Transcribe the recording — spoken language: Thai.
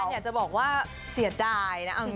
อยากจะบอกว่าเสียดายนะ